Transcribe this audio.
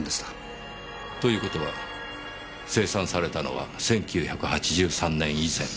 という事は生産されたのは１９８３年以前。